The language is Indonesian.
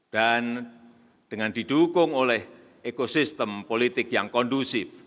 dan dengan didukung oleh ekosistem politik yang kondusif